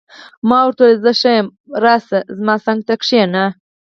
ما ورته وویل: زه ښه یم، راشه، زما څنګ ته کښېنه.